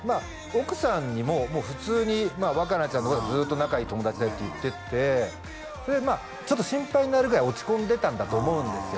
奥さんにももう普通に若菜ちゃんとはずっと仲いい友達だよって言っててそれでちょっと心配になるぐらい落ち込んでたんだと思うんですよ